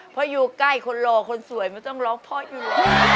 เพราะอยู่ใกล้คนรอคนสวยมันต้องร้องเพราะอยู่หรอ